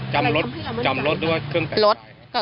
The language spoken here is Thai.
จำรถด้วยเครื่องสังกาย